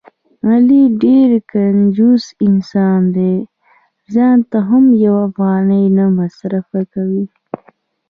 علي ډېر کنجوس انسان دی.ځانته هم یوه افغانۍ نه مصرف کوي.